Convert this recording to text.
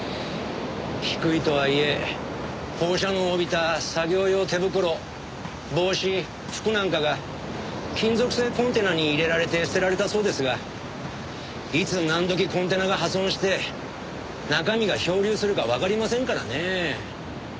低いとはいえ放射能を帯びた作業用手袋帽子服なんかが金属製コンテナに入れられて捨てられたそうですがいつ何時コンテナが破損して中身が漂流するかわかりませんからねえ。